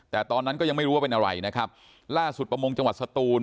แต่ตอนนั้นก็ยังไม่รู้ว่าเป็นอะไรนะครับล่าสุดประมงจังหวัดสตูน